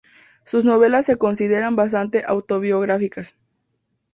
Sus novelas se consideran bastante autobiográficas.